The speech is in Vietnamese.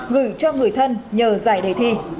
gửi cho người thân nhờ giải đề thi